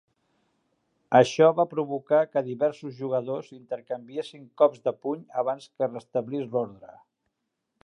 Això va provocar que diversos jugadors intercanviessin cops de puny abans que es restablís l'ordre.